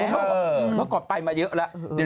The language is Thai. พี่มะกอดไปมาเยอะแล้ว